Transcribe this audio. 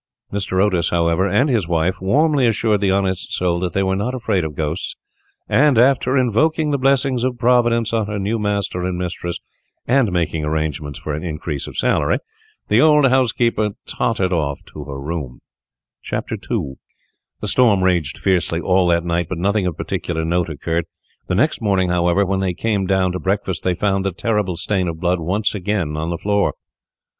Mr. Otis, however, and his wife warmly assured the honest soul that they were not afraid of ghosts, and, after invoking the blessings of Providence on her new master and mistress, and making arrangements for an increase of salary, the old housekeeper tottered off to her own room. II The storm raged fiercely all that night, but nothing of particular note occurred. The next morning, however, when they came down to breakfast, they found the terrible stain of blood once again on the floor.